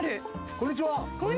こんにちは。